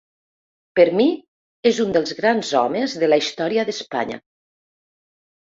Per mi és un dels grans homes de la història d’Espanya.